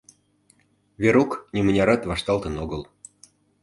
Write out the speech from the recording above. Верук нимынярат вашталтын огыл.